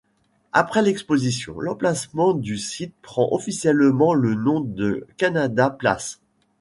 Après l'Exposition l'emplacement du site prend officiellement le nom de Canada Place.